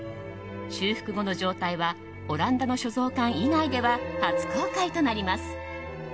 修復後の状態はオランダの所蔵館以外では初公開となります。